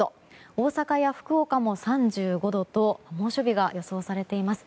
大阪や福岡も３５度と猛暑日が予想されています。